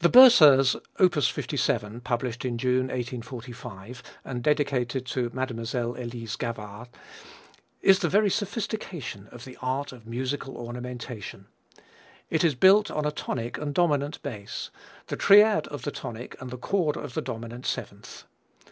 The Berceuse, op. 57, published June, 1845, and dedicated to Mlle. Elise Gavard, is the very sophistication of the art of musical ornamentation. It is built on a tonic and dominant bass the triad of the tonic and the chord of the dominant seventh.